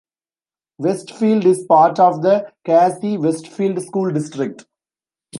Westfield is part of the Casey-Westfield School District.